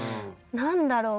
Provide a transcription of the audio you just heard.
何だろう？